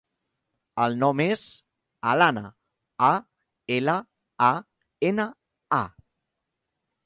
El nom és Alana: a, ela, a, ena, a.